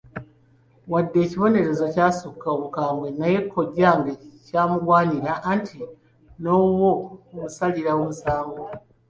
Wadde ekibonerezo kyasukka obukambwe naye kojjange kyamugwanira anti n'owuwo omusalira omusango.